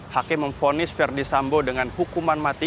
hakim memfonis verdi sambo dengan hukuman mati